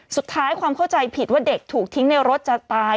ความเข้าใจผิดว่าเด็กถูกทิ้งในรถจะตาย